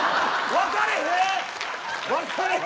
分かれへん。